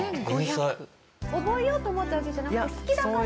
覚えようと思ったわけじゃなくて好きだから？